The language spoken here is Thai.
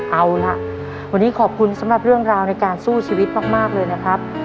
เอาล่ะวันนี้ขอบคุณสำหรับเรื่องราวในการสู้ชีวิตมากเลยนะครับ